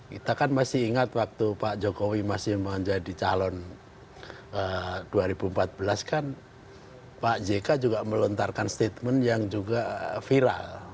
kita kan masih ingat waktu pak jokowi masih menjadi calon dua ribu empat belas kan pak jk juga melontarkan statement yang juga viral